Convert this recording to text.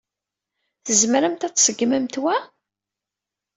Tzemremt ad tseggmemt wa?